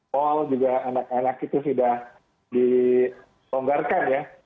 pol juga anak anak itu sudah diponggarkan ya